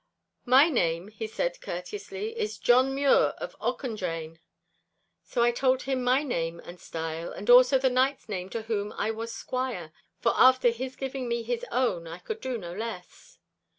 'My name,' he said courteously, 'is John Mure of Auchendrayne.' So I told him my name and style, and also the knight's name to whom I was squire, for after his giving me his own I could not do less.